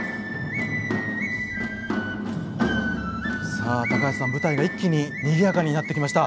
さあ高橋さん舞台が一気ににぎやかになってきました。